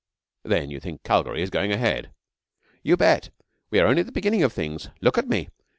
'Then you think Calgary is going ahead?' 'You bet! We are only at the beginning of things. Look at me!